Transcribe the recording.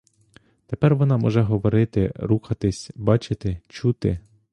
Тепер вона може говорити, рухатись, бачити, чути.